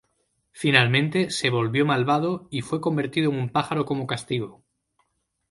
Finalmente se volvió malvado y fue convertido en un pájaro como castigo.